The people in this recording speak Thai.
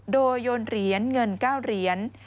โดยโยนเหรียญเงิน๙เหรียญ